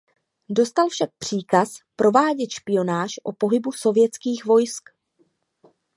Dostal však příkaz provádět špionáž o pohybu Sovětských vojsk.